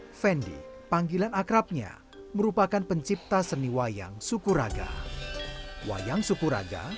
effendi panggilan akrabnya merupakan pencipta seni wayang sukuraga